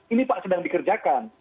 ini pak sedang dikerjakan